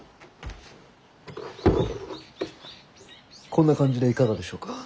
こんな感じでいかがでしょうか。